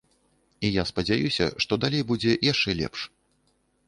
І я спадзяюся, што далей будзе яшчэ лепш.